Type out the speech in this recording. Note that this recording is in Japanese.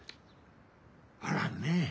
あらんね。